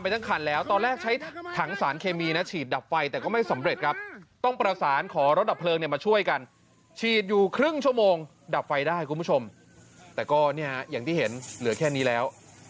แต่ก็เนี่ยอย่างที่เห็นเหลือแค่นี้แล้ว